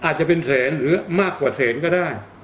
อาจจะเป็นแสนหรือมากกว่าแสนก็ได้